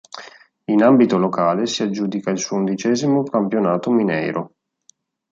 In ambito locale si aggiudica il suo undicesimo Campionato Mineiro.